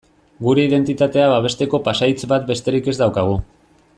Gure identitatea babesteko pasahitz bat besterik ez daukagu.